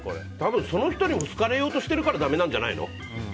その人にも好かれようとしているからだめなんじゃない？